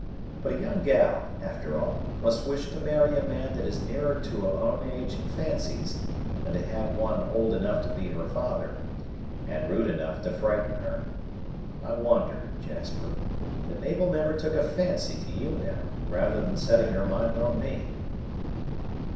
But a young gal, after all, must wish to marry a man that is nearer to her own age and fancies, than to have one old enough to be her father, and rude enough to frighten her. I wonder, Jasper, that Mabel never took a fancy to you, now, rather than setting her mind on me."